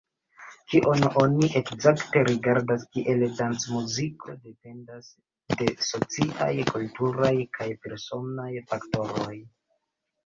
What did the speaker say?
Kion oni ekzakte rigardas kiel dancmuziko, dependas de sociaj, kulturaj kaj personaj faktoroj.